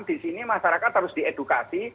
di sini masyarakat harus diedukasi